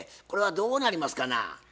これはどうなりますかな？